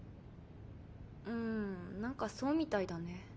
うん何かそうみたいだね。